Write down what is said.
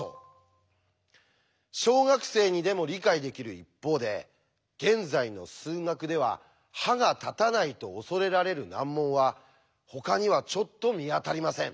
小学生にでも理解できる一方で現在の数学では歯が立たないと恐れられる難問はほかにはちょっと見当たりません。